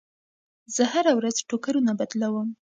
زه هره ورځ ټوکرونه بدلوم.